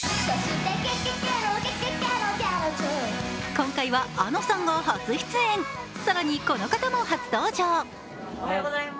今回は、ａｎｏさんが初出演、更にこの方も初登場。